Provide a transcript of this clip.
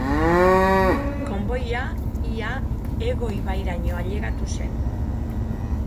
Konboia ia Ego ibairaino ailegatu zen.